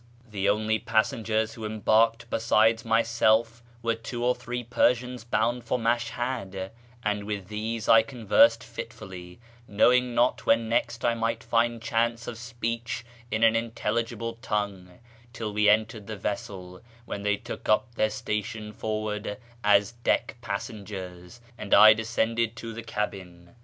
The only passengers who embarked besides myself were two or three Persians bound for Mashhad, and with these I con versed fitfully (knowing not when next I might find chance of speech in an intelligible tongue) till we entered the vessel, when they took up their station forward as deck passengers, and I descended to the cabin.